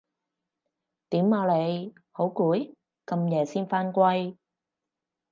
點啊你？好攰？咁夜先返歸